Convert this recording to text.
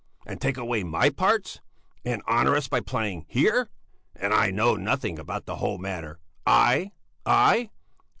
And take away my parts? And honour us by playing here? And I know nothing about the whole matter? I? I?